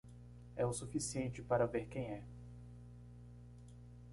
É o suficiente para ver quem é.